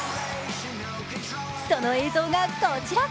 その映像がこちら。